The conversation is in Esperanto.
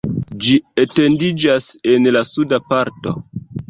Ĝi etendiĝas en la suda parto.